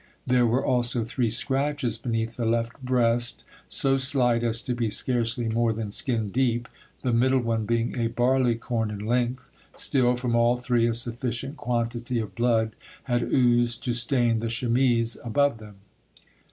There were also three scratches beneath the left breast, so slight as to be scarcely more than skin deep, the middle one being a barleycorn in length; still, from all three a sufficient quantity of blood had oozed to stain the chemise above them.